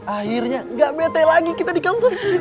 akhirnya gak bete lagi kita di kampus